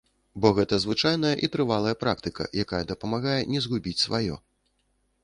Бо гэта звычайная і трывалая практыка, якая дапамагае не згубіць сваё.